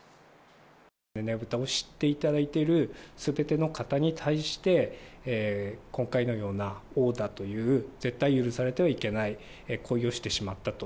ねぶたを知っていただいているすべての方に対して、今回のような殴打という絶対許されてはいけない行為をしてしまったと。